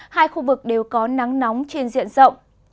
hai khu vực đều có nắng nóng trên diện rộng